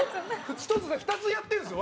１つで２つやってるんですよ